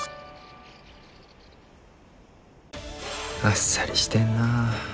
あっさりしてんなあ。